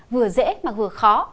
vừa dễ mà vừa khó